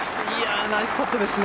ナイスパットですね。